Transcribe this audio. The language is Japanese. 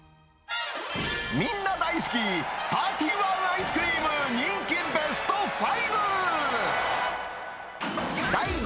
みんな大好き、サーティワンアイスクリーム人気ベスト５。